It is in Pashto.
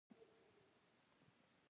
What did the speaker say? په نولس سوه اته اتیا کې یې کیمیاګر ولیکه.